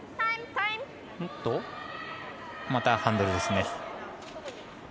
またハンドルですね。